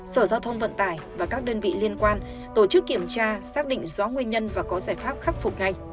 sở giao thông vận tải và các đơn vị liên quan tổ chức kiểm tra xác định rõ nguyên nhân và có giải pháp khắc phục ngay